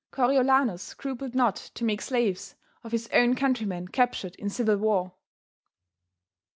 Coriolanus scrupled not to make slaves of his own countrymen captured in civil war.